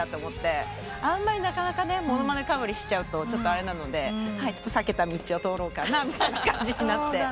あんまりなかなか物まねかぶりしちゃうとあれなので避けた道を通ろうかなみたいな感じになって。